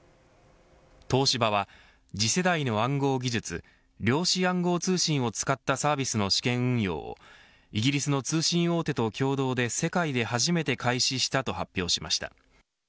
東芝は、次世代の暗号技術量子暗号通信を使ったサービスの試験運用をイギリスの通信大手と共同で世界で初めて開始したと発表しました。